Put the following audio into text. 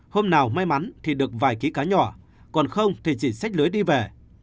hôm nào may mắn thì được vài ký cá nhỏ còn không thì chỉ sách lưới đi về